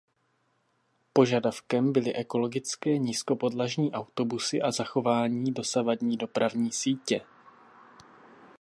Požadavkem byly ekologické nízkopodlažní autobusy a zachování dosavadní dopravní sítě.